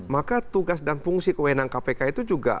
maka tugas dan fungsi kewenangan kpk itu juga